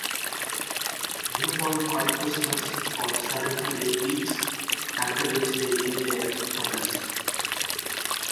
Newborn coypus nurse for seven to eight weeks, after which they leave their mothers.